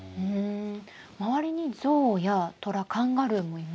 周りにゾウやトラカンガルーもいますね。